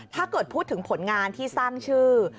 ถ้าเกิดพูดถึงผลงานที่สร้างชื่อ